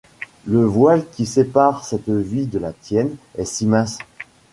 Le voile qui sépare cette vie de la tienne est si mince!